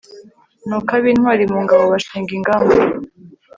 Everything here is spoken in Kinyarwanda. nuko ab'intwari mu ngabo bashinga ingamba